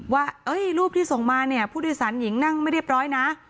ว่ารูปที่ส่งมาเนี่ยผู้โดยสารหญิงนั่งไม่เรียบร้อยนะ